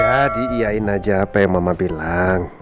ya diiyain aja apa yang mama bilang